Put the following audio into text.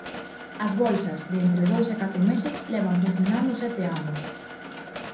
As bolsas, de entre dous e catro meses, levan funcionando sete anos.